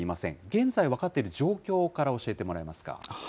現在分かっている状況から教えてもらえますか。